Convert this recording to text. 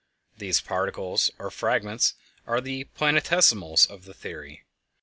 These particles, or fragments, are the "planetesimals" of the theory.